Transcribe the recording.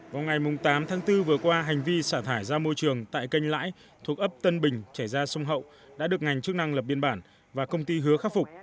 vào ngày tám tháng bốn vừa qua hành vi xả thải ra môi trường tại kênh lãi thuộc ấp tân bình trải ra sông hậu đã được ngành chức năng lập biên bản và công ty hứa khắc phục